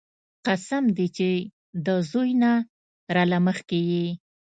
قسم دې چې د زوى نه راله مخکې يې.